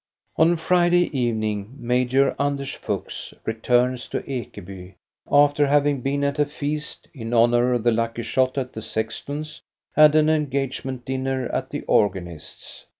On Friday evening Major Anders Fuchs returns to Ekeby, after having been at a feast, in honor of the lucky shot, at the sexton's and an engagement dinner at the organist's.